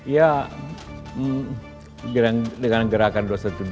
ya dengan gerakan dua ratus dua belas